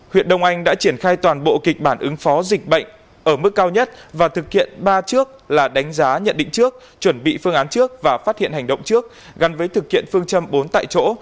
huyện đông anh đã triển khai toàn bộ kịch bản ứng phó dịch bệnh ở mức cao nhất và thực hiện ba trước là đánh giá nhận định trước chuẩn bị phương án trước và phát hiện hành động trước gắn với thực hiện phương châm bốn tại chỗ